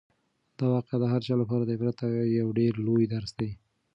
دا واقعه د هر چا لپاره د عبرت یو ډېر لوی درس دی.